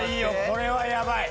これはやばい。